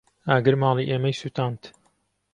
ئاگر ماڵی ئێمەی سوتاند.